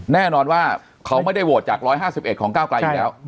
แน่นอนว่าเขาไม่ได้โหวตจากร้อยห้าสิบเอ็ดของก้าวกลัยอยู่แล้วใช่